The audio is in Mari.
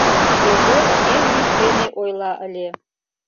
Йогор нер йӱк дене ойла ыле.